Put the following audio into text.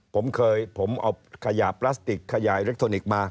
ผมเอาขยะประสติกขยะอิเล็กโทนิคมา